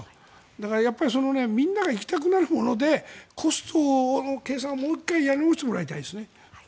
だからやっぱりみんなが行きたくなるものでコストの計算をもう１回やり直してもらいたいですね。